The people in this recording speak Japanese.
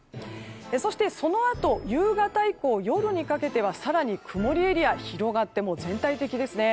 そして、そのあと夕方以降、夜にかけては更に曇りエリアが広がって全体的ですね。